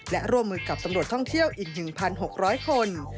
และร่วมมือกับตำรวจท่องเที่ยวอีก๑๖๐๐คน